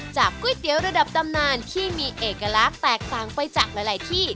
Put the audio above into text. ก๋วยเตี๋ยวระดับตำนานที่มีเอกลักษณ์แตกต่างไปจากหลายที่